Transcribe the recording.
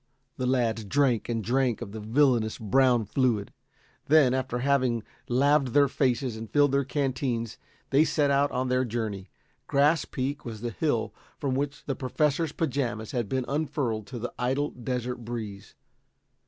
The lads drank and drank of the villainous, brown fluid. Then, after having laved their faces and filled the canteens, they set out on their journey. Grass Peak was the hill from which the Professor's pajamas had been unfurled to the idle desert breeze.